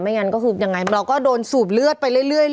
งั้นก็คือยังไงเราก็โดนสูบเลือดไปเรื่อย